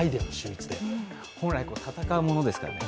本来戦うものですからね